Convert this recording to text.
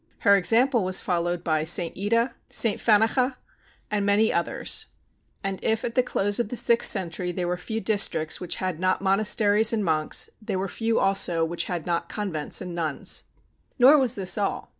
Her example was followed by St. Ita, St. Fanchea, and many others; and if at the close of the sixth century there were few districts which had not monasteries and monks, there were few also which had not convents and nuns. Nor was this all.